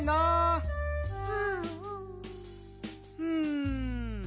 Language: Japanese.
うん。